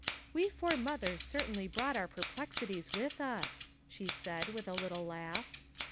"We four mothers certainly brought our perplexities with us!" she said with a little laugh.